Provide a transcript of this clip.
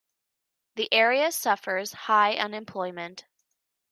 The area suffers high unemployment.